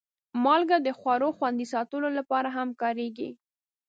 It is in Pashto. مالګه د خوړو خوندي ساتلو لپاره هم کارېږي.